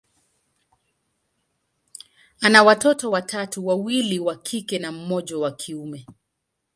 ana watoto watatu, wawili wa kike na mmoja wa kiume.